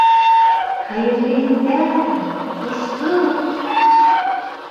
— Хәйерле иртә, ҡошсоҡ!